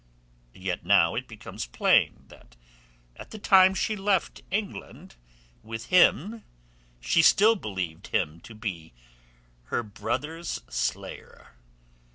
Yet now it becomes plain that at the time she left England with him she still believed him to be her brother's slayer.